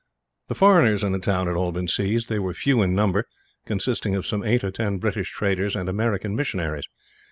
The foreigners in the town had all been seized. They were few in number, consisting of some eight or ten British traders and American missionaries.